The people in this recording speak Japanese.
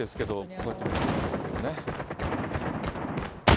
こうやって見るとおもしろいですけどね。